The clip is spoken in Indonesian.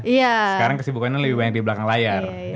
iya sekarang kesibukannya lebih banyak di belakang layar